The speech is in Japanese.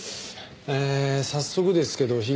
えー早速ですけど被害者は？